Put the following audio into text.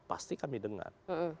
pasti kami dengar